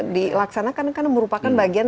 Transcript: dilaksanakan karena merupakan bagian